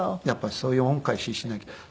やっぱりそういう恩返ししなきゃ。